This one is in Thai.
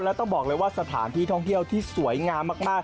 แล้วต้องบอกเลยว่าสถานที่ท่องเที่ยวที่สวยงามมาก